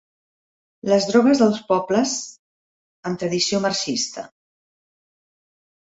Les drogues dels pobles amb tradició marxista.